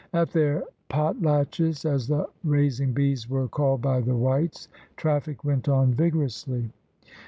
At their "potlatches," as the raising bees were called by the whites, traffic went on vigorously.